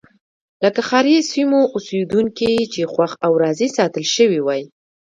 لکه ښاري سیمو اوسېدونکي چې خوښ او راضي ساتل شوي وای.